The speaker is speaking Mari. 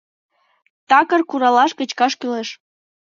Такыр куралаш кычкаш кӱлеш.